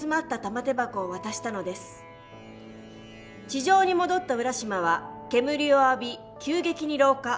地上に戻った浦島は煙を浴び急激に老化。